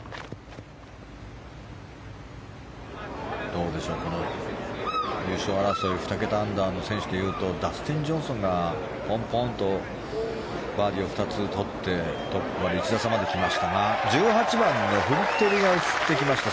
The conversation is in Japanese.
どうでしょう、優勝争い２桁アンダーの選手たちでいうとダスティン・ジョンソンがポンポンとバーディーを２つとってトップまで１打差まで来ましたが１８番のフリテリが映ってきました。